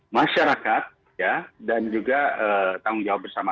masyarakat dan juga tanggung jawab bersama